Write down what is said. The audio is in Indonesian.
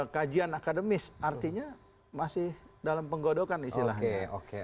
kajian akademis artinya masih dalam penggodokan istilahnya